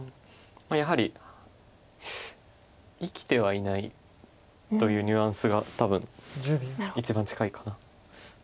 やはり生きてはいないというニュアンスが多分一番近いかな。